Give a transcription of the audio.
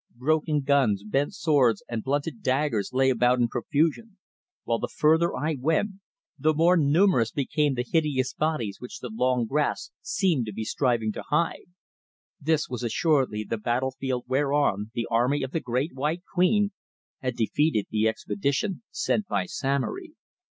Broken guns, bent swords and blunted daggers lay about in profusion, while the further I went, the more numerous became the hideous bodies which the long grass seemed to be striving to hide. This was assuredly the battle field whereon the army of the Great White Queen had defeated the expedition sent by Samory.